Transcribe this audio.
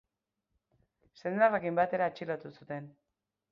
Senarrarekin batera atxilotu zuten.